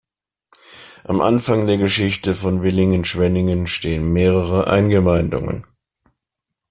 Am Anfang der Geschichte von Villingen-Schwenningen stehen mehrere Eingemeindungen.